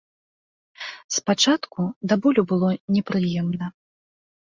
Спачатку да болю было непрыемна.